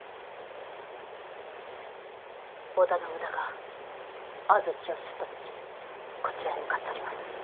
織田信長安土を出立しこちらへ向かっております。